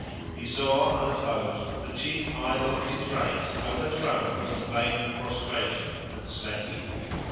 He saw, unopposed, the chief idol of his race, overthrown on "the Plain of Prostration," at Sletty.